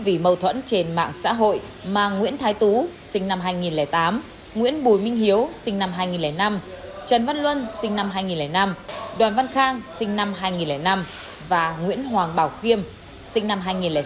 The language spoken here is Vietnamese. vì mâu thuẫn trên mạng xã hội mà nguyễn thái tú sinh năm hai nghìn tám nguyễn bùi minh hiếu sinh năm hai nghìn năm trần văn luân sinh năm hai nghìn năm đoàn văn khang sinh năm hai nghìn năm và nguyễn hoàng bảo khiêm sinh năm hai nghìn sáu